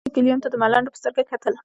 دوی ګیوم ته د ملنډو په سترګه کتل.